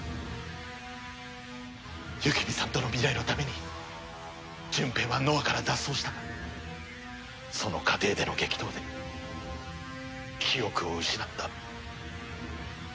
幸実さんとの未来のために純平はノアから脱走したがその過程での激闘で記憶を失った。